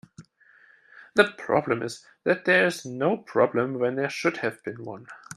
The problem is that there is no problem when there should have been one.